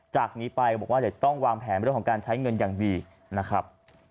จากนี้ไปบอกว่าจะต้องวางแผนไปด้วยของการใช้เงินอย่างดีนะครับ